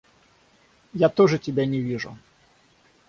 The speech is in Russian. Я тоже тебя не вижу!..